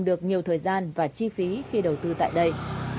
được nhiều thời gian và chi phí khi đầu tư tại đây